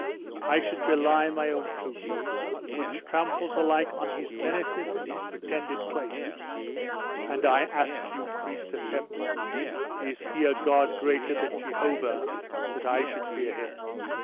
I should belie my own truth, which tramples alike on his menaces and his pretended claims. And I ask you, priest of Heaven! is he a god greater than Jehovah, that I should fear him?"